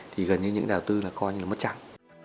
thì gần như những nhà đầu tư là coi như là mất trắng